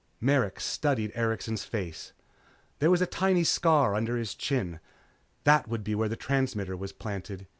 Merrick studied Erikson's face. There was a tiny scar under his chin. That would be where the transmitter was planted.